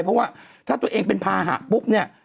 เพราะว่าถ้าตัวเองเป็นภาหะปุ๊บเนี่ย